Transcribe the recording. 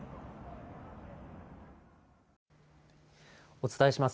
お伝えします。